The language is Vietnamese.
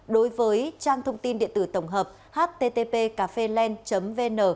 đối với trang thông tin điện tử tổng hợp http cafelen vn